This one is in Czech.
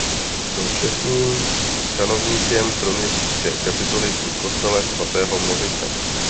Byl čestným kanovníkem kroměřížské kapituly při kostele svatého Mořice.